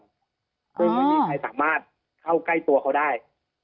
ซึ่งไม่มีใครสามารถเข้าใกล้ตัวเขาได้